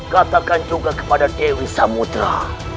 katakan juga kepada dewi samudera